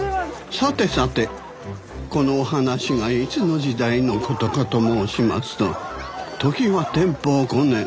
さてさてこのお話がいつの時代のことかと申しますと時は天保五年